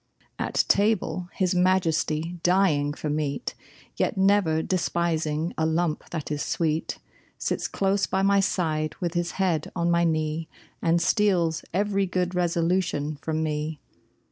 At table, his majesty, dying for meat, Yet never despising a lump that is sweet, Sits close by my side with his head on my knee And steals every good resolution from me!